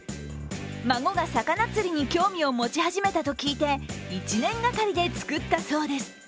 孫が魚釣りに興味を持ち始めたと聞いて１年がかりで作ったそうです。